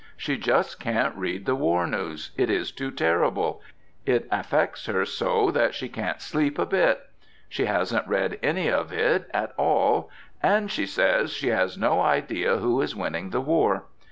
She just can't read the war news; it is too terrible; it affects her so that she can't sleep a bit. She hasn't read any of it at all, and, she says, she has no idea who is winning the war.